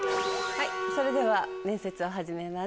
それでは面接を始めます。